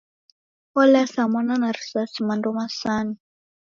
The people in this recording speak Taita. Olasa mwana na risasi mando masanu!